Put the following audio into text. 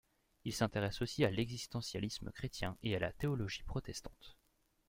Il s'intéresse aussi à l'existentialisme chrétien et à la théologie protestante.